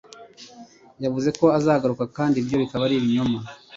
Yavuze ko azagaruka ibyo bikaba byari ibinyoma